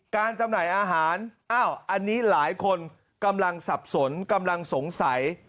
จำหน่ายอาหารอ้าวอันนี้หลายคนกำลังสับสนกำลังสงสัย